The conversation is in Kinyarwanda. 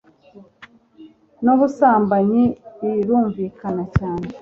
n'ubusambanyi, birumvikana cyane